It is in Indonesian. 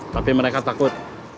tapi mereka takut